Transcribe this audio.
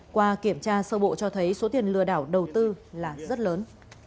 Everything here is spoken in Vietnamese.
qua kiểm tra sơ bộ cho thấy số tiền lừa đảo đầu tư là rất lớn